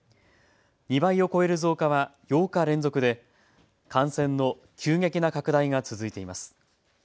２倍を超える増加は８日連続で感染の急激な拡大が続いています。